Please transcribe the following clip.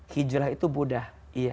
hijrah itu budah